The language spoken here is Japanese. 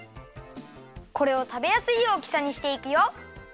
これをたべやすい大きさにしていくよ。